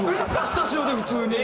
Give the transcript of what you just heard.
スタジオで普通に。